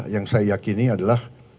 yang saya yakini adalah